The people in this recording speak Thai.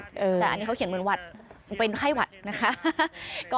แต่อันนี้เขาเขียนเหมือนหวัดเป็นไข้หวัดนะคะ